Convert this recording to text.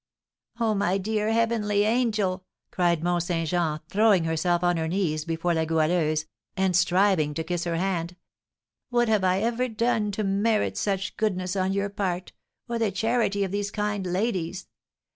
"Oh, my dear heavenly angel!" cried Mont Saint Jean, throwing herself on her knees before La Goualeuse, and striving to kiss her hand. "What have I ever done to merit such goodness on your part, or the charity of these kind ladies?